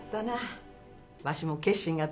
わしも決心がついたぞ。